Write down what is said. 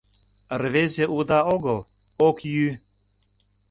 Рвезе уда огыл, ок йӱ...